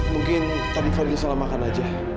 mungkin tadi fadli salah makan aja